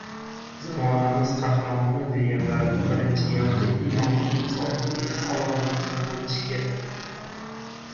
Zamonamiz qahramoni deganlari birinchi galda imon-insofli, halol inson bo‘lishi kerak.